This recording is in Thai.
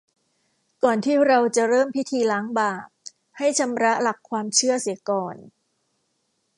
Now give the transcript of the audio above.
ก่อนที่เราจะเริ่มพิธีล้างบาป ให้ชำระหลักความเชื่อเสียก่อน